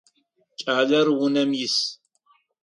Кӏалэр унэм ис.